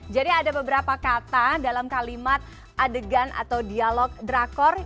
jadi ada beberapa kata dalam kalimat adegan atau dialog drakor